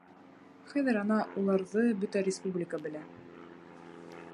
Хәҙер, ана, уларҙы бөтә республика белә.